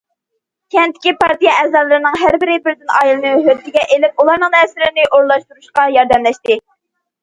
كەنتتىكى پارتىيە ئەزالىرىنىڭ ھەربىرى بىردىن ئائىلىنى ھۆددىگە ئېلىپ، ئۇلارنىڭ نەرسىلىرىنى ئورۇنلاشتۇرۇشىغا ياردەملەشتى.